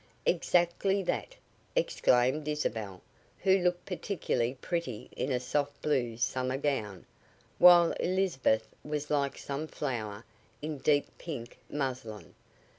"Exactly that!" exclaimed Isabel, who looked particularly pretty in a soft blue summer gown, while Elizabeth was like some flower, in deep pink muslin.